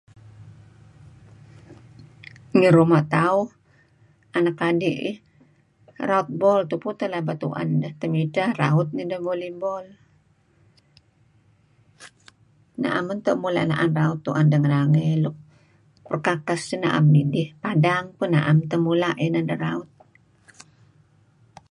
Ngi ruma' tauh anak adi' iih raut bol tupu teh pelaba tuen deh. Temidteh raut nideh volley ball. Naem meto' mula' naan raut tuen deh ngi nangey nuk perkakas nuk naem idih. Padang pun naem teh mula' inan ideh raut.